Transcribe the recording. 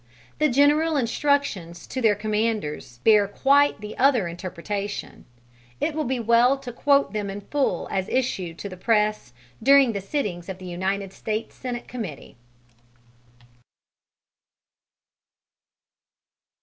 The general instructions to their commanders bear quite the other interpretation: it will be well to quote them in full as issued to the press during the sittings of the United States Senate Committee.